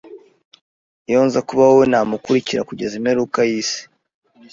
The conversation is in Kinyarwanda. Iyo nza kuba wowe, namukurikira kugeza imperuka yisi.